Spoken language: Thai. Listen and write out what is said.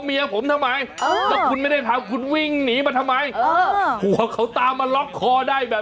แล้วมึงบอกไม่ได้ปีดแล้วเมียกูเห็นมันได้ไง